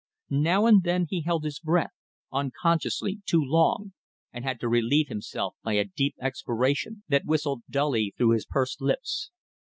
Now and then he held his breath, unconsciously, too long, and had to relieve himself by a deep expiration that whistled dully through his pursed lips.